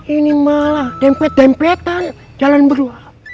ini malah dempet dempetan jalan berdua